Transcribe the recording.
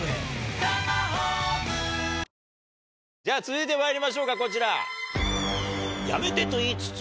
じゃあ続いてまいりましょうかこちら！